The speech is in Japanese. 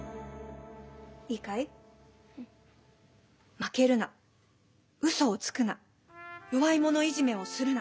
負けるなうそをつくな弱い者いじめをするな。